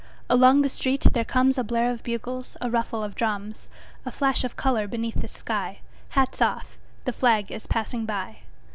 Along the street there comesA blare of bugles, a ruffle of drums,A flash of color beneath the sky:Hats off! The flag is passing by!